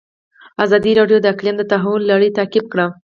ازادي راډیو د اقلیم د تحول لړۍ تعقیب کړې.